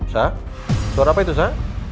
sa suara apa itu sa